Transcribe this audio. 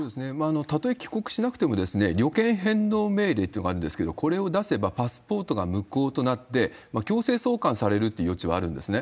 たとえ帰国しなくても、旅券返納命令というのがあるんですけれども、これを出せば、パスポートが無効となって、強制送還されるっていう余地はあるんですね。